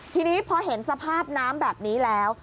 ทีนี้พอเห็นสภาพน้ำแบบนี้แล้ว